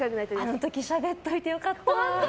あの時しゃべっといてよかった！